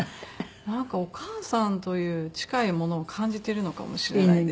なんかお母さんという近いものを感じてるのかもしれないですね。